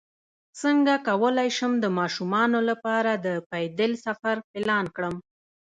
څنګه کولی شم د ماشومانو لپاره د پیدل سفر پلان کړم